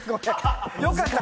よかった。